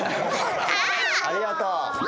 ありがとう。